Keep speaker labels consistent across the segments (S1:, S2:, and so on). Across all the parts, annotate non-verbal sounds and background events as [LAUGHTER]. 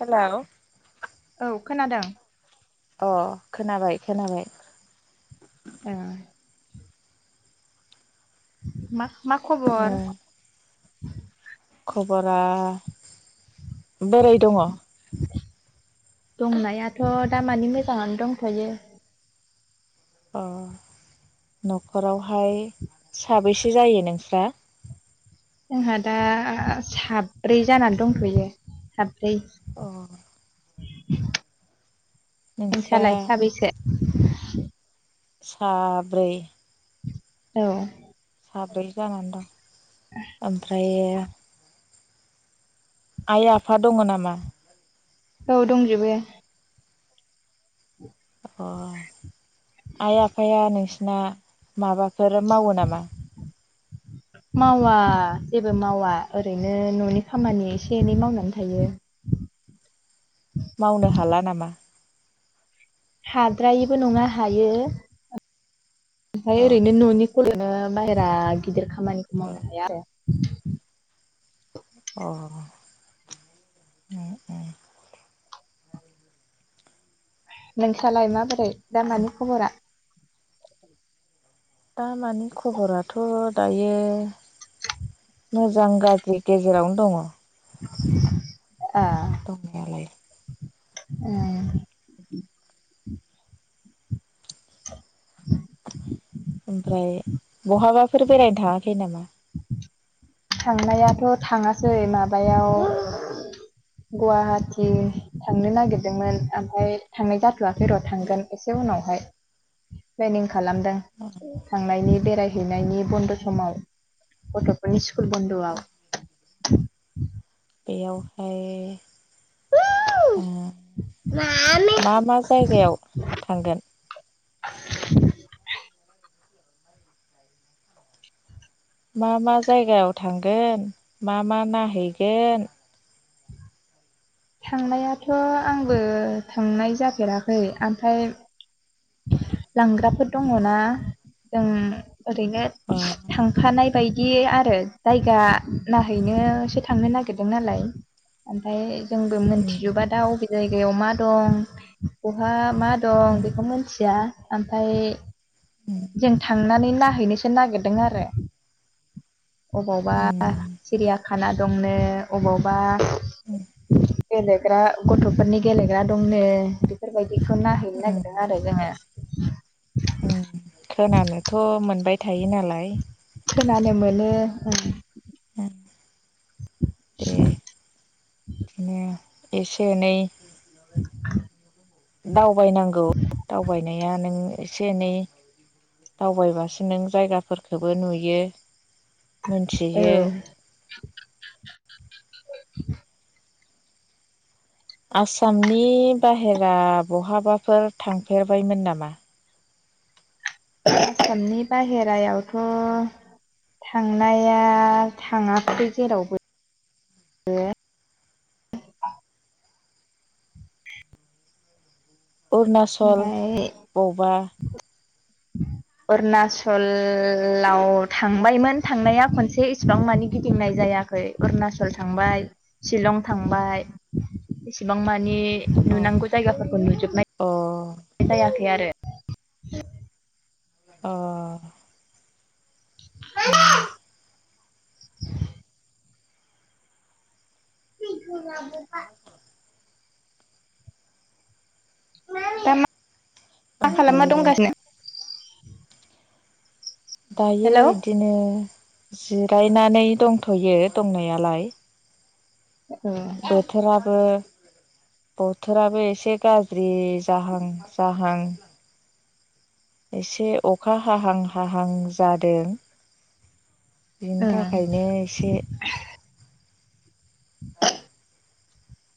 S1: Hello
S2: औ खोनादों
S1: अ खोनाबाय खोनाबाय
S2: ए मा मा खबर?
S1: उम खबरा बोरै दङ?
S2: दंनायाथ' दामानि मोजाङानो दंथ'यो
S1: अ न'खरावहाय साबैसे जायो नोंस्रा
S2: जोंहा दा साब्रै जानानै दंथ'यो
S1: अ नोंस्रा
S2: नोंसाालाय साबैसे
S1: साब्रै
S2: औ
S1: साब्रै जानानै दं ओमफ्राय आइ आफा दङ नामा?
S2: औ दंजोबो
S1: अ आइ आफाया नोंस ना माबाफोर मावो नामा?
S2: [INAUDIBLE] मावा जेबो मावा ओरैनो न'नि खामानि एसे एनै मावनानै थायो [UNINTELLIGIBLE]
S1: मावनो हाला नामा?
S2: हाद्रायैबो नङा हायो ओमफ्राय
S1: अ
S2: ओरैनो न'निखौल'नो बायेरा गिदिर खामानिखौ
S1: अ
S2: मावनो हाया आरो
S1: अ उम उम
S2: नोंथाङालाय माबोरै दा मानि खबरा
S1: दा मानिे खबराथ' दायो मोजां गाज्रि गेजेरावनो दङ
S2: आ
S1: दं नालाय
S2: ए [UNINTELLIGIBLE]
S1: ओमफ्राय बहाबाफोर बेरायनो थाङाखै नामा
S2: थांनायाथ' थाङासै माबायाव गुवाहाटि थांनो नागिरदोंमोन ओमफ्राय थांनाय जाथ'वाखै र' थांगोन एसे उनावहाय प्लेनिं खालामदों थांनायनि बेरायहैनायनि बन्द' समाव गथ'फोरनि स्कुल स्कुल बन्द आव
S1: बेयावहाय ओ मा मा जायगायाव थांगोन मा मा जायगायाव थांगोन मा मा नायहैगोन
S2: थांनायाथ' आंबो थांनाय जाफेराखै ओमफ्राय लांग्राफोर दङ ना जों ओरैनो
S1: अ
S2: थांफानाय बाय बि आरो जायगा नायहैनोसो थांनो नागिरदों नालाय ओमफ्राय जोंबो
S1: उम
S2: मिथिजोबा दा अबे जायगायाव मा दं बहा मा दं
S1: उम
S2: बेखौ मिथिया ओमफाय जों थांनानै नायहैनोसो नागिरदों आरो अबावबा
S1: उम
S2: सिरिया खाना दं नो अबावबा
S1: औ
S2: गेलेग्रा गथ'फोरनि गेलेग्रा दंनो बेफोरबायदि बेखौ नायहैनो
S1: उम
S2: नागिरदों आरो जोङो
S1: उम खोनानोथ' मोनबाय थायो नालाय
S2: खोनानो मोनो
S1: बे बिदिनो एसे एनै
S2: [UNINTELLIGIBLE]
S1: दावबायनांगौ दावबायनाया नों एसे एनै दावबायबासो नों जायगाफोरखौबो नुयो। मोनथियो।
S2: औ [UNINTELLIGIBLE]
S1: आसामनि बाहेरा बहाबाफोर थांफेरबायमोन नामा।
S2: आसामनि बाहेरायावथ'। थांनाया थाङाखै जेरावबो।
S1: अरुणाचल
S2: ओमफाय
S1: बबा
S2: अरुणाचलाव थांबायमोन थांनाया खनसे इसेबां मानि गिदिंनाय [UNINTELLIGIBLE] जायाखै अरुणाचल थांबाय सिलं थांबाय इसिबां मानि नि
S1: अ
S2: नुनांगौ जायगाफोरखौ नुजोबनाय।
S1: अ
S2: जायाखै आरो
S1: अ। उम।
S2: [INAUDIBLE] [UNINTELLIGIBLE] [UNINTELLIGIBLE] खालामना
S1: ओमफ्रायो
S2: दंगासिनो
S1: दायो
S2: हेलौ
S1: इदिनो जिरायनानै दंथ'यो दंनायालाय
S2: औ
S1: बोथोराबो। बोथोराबो एसे गाज्रि जाहां जाहां। एसे अखा हाहां हाहां जादों। बिनि थाखायनो एसे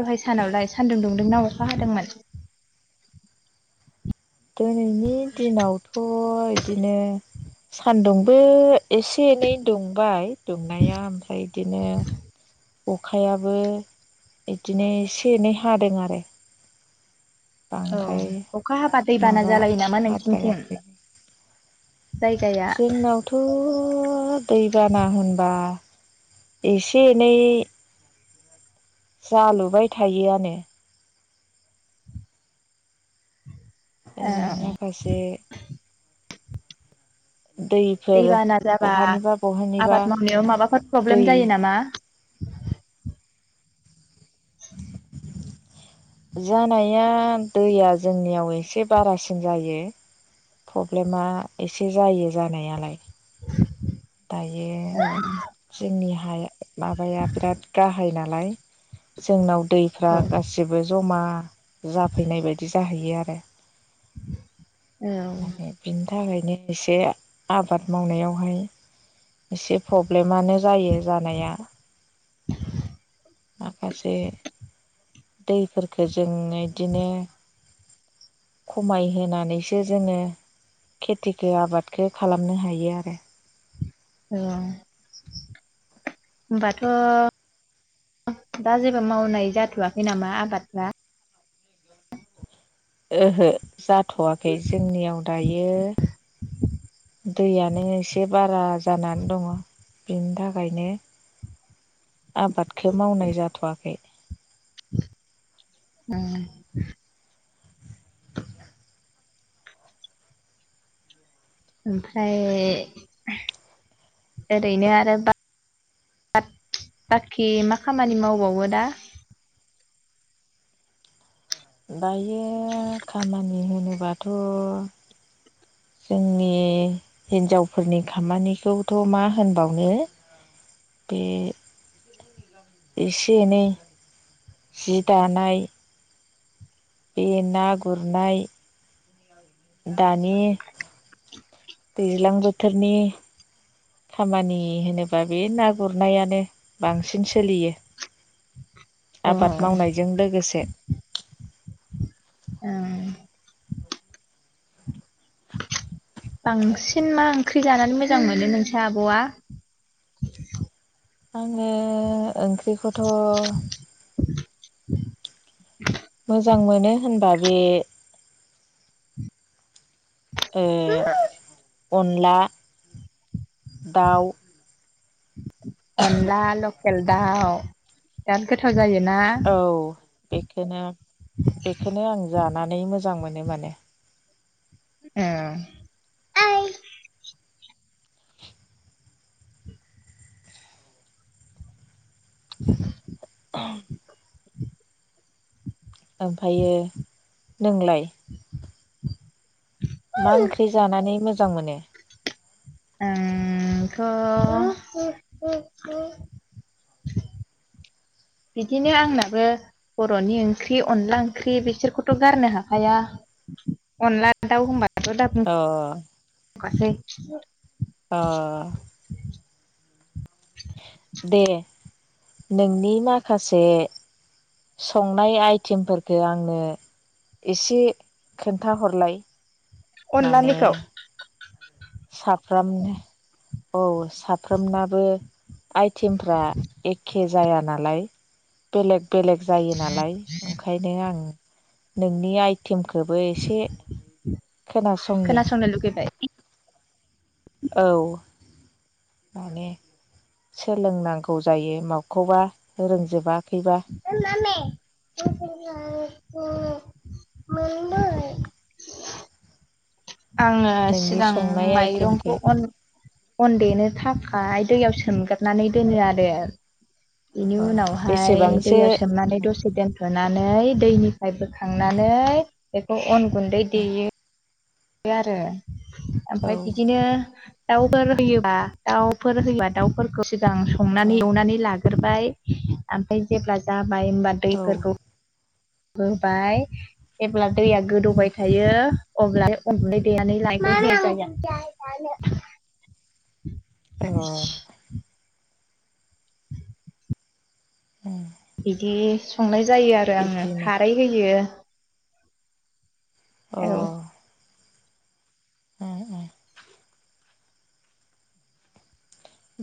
S2: दहाय सानावलाय सान्दुं दुंदों ना अखा हादोंमोन।
S1: दिनैनि दिनावथ' इदिनो सान्दुंबो एसे एनै दुंबाय दुंनाया ओमफ्राय बिदिनो अखायाबो इदिनो एसे एनै हादों आरो।
S2: औ
S1: बांद्राय
S2: अखा हाबा दैबाना
S1: माबा
S2: जालायो नामा नोंसिनिथिं।
S1: हाद्रायाखै
S2: जायगाया
S1: जोंनावथ' दैबाना होनबा एसे एनै जालुबाय थायो आनो। ओरै
S2: ओ
S1: माखासे दैफोर
S2: दैबाना जाबा
S1: बहानिबा बहानिबा
S2: आबाद मावनायाव माबाफोर
S1: दै
S2: प्रब्लेम जायो नामा। [INAUDIBLE]
S1: जानाया दैया जोंनियाव एसे बारासिन जायो। प्रब्लेमा एसे जायो जानायालाय। दायो
S2: औ
S1: जोंनि [UNINTELLIGIBLE] माबाया बिराद गाहाय नालाय जोंनाव दैफ्रा गासिबो जमा जाफैनाय बायदि जाहैयो आरो।
S2: औ
S1: माने थाखायनो एसे आबाद मावनायावहाय एसे प्रब्लेमानो जायो जानाया। दैफोरफोरखो जों इदिनो खमायहोनैसो जोङो खेथिखौ आबादखौ खालामनो हायो आरो।
S2: औ होनबाथ'। दा जेबो मावनाय जाथ'वाखै नामा आबादफ्रा?
S1: ओहो जाथ'वाखै जोंनियाव दायो दै यानो एसे बारा जानानै दङ बिनि थाखायनो आबादखौ मावनाय जाथ'वाखै।
S2: [INAUDIBLE] उम [INAUDIBLE] ओमफ्राय ओरैनो आरो बा [UNINTELLIGIBLE] बाखि मा खामानि मावबावो दा?
S1: दायो खामानि होनोबाथ' जोंनि हिन्जावफोरनि खामानिखौथ' मा होनबावनो बेे एसे एनै जि दानाय बे ना गुरनाय दानि दैज्लां बोथोरनि खामानि होनोबा बे ना गुरनायानो बांसिन सोलियो।
S2: अ
S1: आबाद मावनायजों लोगोसे
S2: ओं। बांसिन मा ओंख्रि जानानै मोजां मोनो नोंसा आब'आ?
S1: आङो ओंख्रिखौथ' मोजां मोनो होनबा बे ओ अनला दाउ
S2: अनला लकेल दाउ बिराद गोथाव जायोना?
S1: औ बेखोनो बेखोनो आं जानानै मोजां मोन नो माने।
S2: औ [UNINTELLIGIBLE]
S1: ओमफायो नोंलाय? मा ओंख्रि जानानै मोजां मोनो?
S2: आंथ' [UNINTELLIGIBLE] बिदिनो आंनाबो बर'नि ओंख्रि अनला ओंख्रि बिसोरखौथ' गारनो हाखाया अनला दाउ होनबा
S1: अ
S2: [UNINTELLIGIBLE]
S1: अ दे नोंनि माखासे संनाय आइटिम फोरखौ आंनो एसे खोन्थाहरलाय।
S2: अनलानिखौ?
S1: साफ्रामनो औस साफ्रोमनाबो आइटेमफ्रा एखे जाया नालाय बेलेग बेलेग जायो नालाय ओंखायनो आं नोंनि आइ टिमखौबो एसे खोनासंनि।
S2: खोनासंनो लुगैबाय
S1: औ माने सोलोंनांगौ जायो माखौबा रोंजोबा।
S2: ए मामे। [UNINTELLIGIBLE] आङो
S1: नोंनि
S2: सिगां
S1: संनाय आइटेमखौ
S2: माइरंखौ अन। अनदेनो थाखाय दैयाव सोमगारनानै दोनो आरो। बेनि
S1: अ
S2: उनावहाय
S1: बेसेबांसो
S2: दैयाव सोमनानै दसे दोनथ'नानै दैनि। हाइ बोखांनानै बेखौ अन गुन्दै देयो आरो।
S1: औ
S2: ओमफ्राय बिदिनो दाउफोर होयोबा दाउफोर होयोबा दाउफोरखौ। मोजां
S1: औ
S2: संनानै एवनानै लागोरबाय ओमफ्राय जेब्ला जा। बाय होनबा दैफोरखौ होबाय जेब्ला। दैया गोदौबाय थायो अब्ला अन गुनदै देनानै [UNINTELLIGIBLE] जानो।
S1: अ
S2: [INAUDIBLE]
S1: अ
S2: बिदि संनाय जायो आरो आङो
S1: बिदिनो
S2: खारै होयो।
S1: अ
S2: औ
S1: ओ ओ।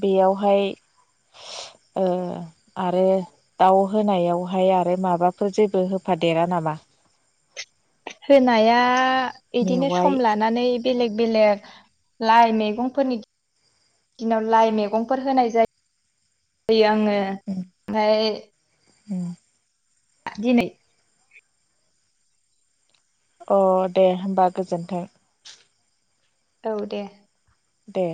S1: बेयावहाय।
S2: [INAUDIBLE]
S1: ओ आरो दाउ होनायावहाय आरो माबाफोर जेबो होफादेरा नामा?
S2: होनाया बिदिनो सम
S1: मेवाइ
S2: लानानै। बेलेग बेलेग लाइ मैगंफोरनि। दिनाव लाइ मैगंफोर होनाय जायो जायो आङो
S1: उम
S2: ओमफ्राय।
S1: उम
S2: दिनै।
S1: अ दे होमबा गोजोन्थों।
S2: औ दे।
S1: दे।